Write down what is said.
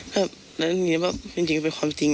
แบบและหนูคิดว่าจริงก็เป็นความจริงอะ